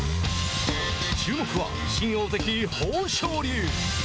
注目は新大関・豊昇龍。